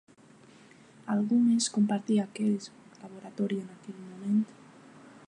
Algú més compartia aquest laboratori en aquell moment?